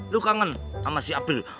lo kangen sama si april